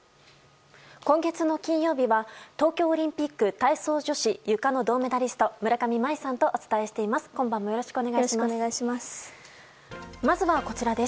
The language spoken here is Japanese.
今月の金曜日は東京オリンピック体操女子ゆかの銅メダリスト村上茉愛さんとお伝えしています。